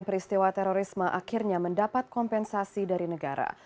peristiwa terorisme akhirnya mendapat kompensasi dari negara